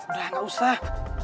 udah gak usah